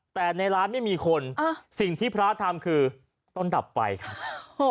แต่ในร้านไม่มีคนอ่ะสิ่งที่พระธรรมคือต้นดับไปค่ะโอ้